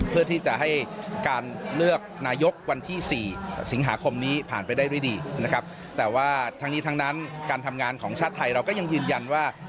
เพื่อที่จะให้การเลือกนายกรัฐมนตรี